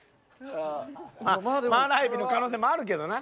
麻辣えびの可能性もあるけどな。